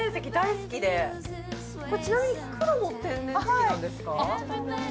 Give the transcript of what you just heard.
ちなみに、黒も天然石なんですか？